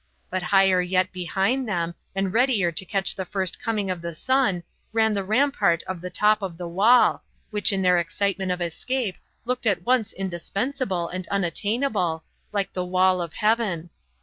But higher yet behind them, and readier to catch the first coming of the sun, ran the rampart of the top of the wall, which in their excitement of escape looked at once indispensable and unattainable, like the wall of heaven.